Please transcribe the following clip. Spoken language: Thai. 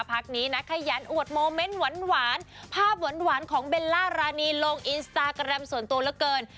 พักนี้นะขยันอวดโมเมนต์หวานภาพหวานของเบลล่ารานีลงอินสตาแกรมส่วนตัวเหลือเกิน